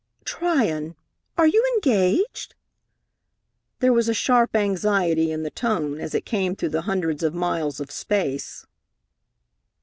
"Tryon! Are you engaged?" There was a sharp anxiety in the tone as it came through the hundreds of miles of space.